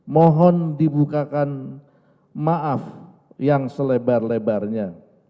mohon dibukakan maaf yang selebar lebarnya